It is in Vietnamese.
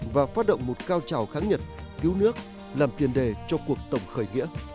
và phát động một cao trào kháng nhật cứu nước làm tiền đề cho cuộc tổng khởi nghĩa